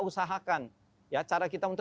usahakan cara kita untuk